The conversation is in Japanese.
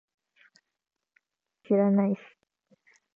占い師なんて知らないし